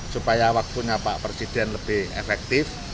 supaya waktunya pak presiden lebih efektif